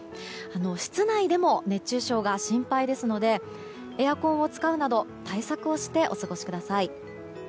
室内でも熱中症が心配ですのでエアコンを使うなど対策をしてお過ごしください。